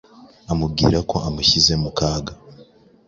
amubwira ko amushyize mu kaga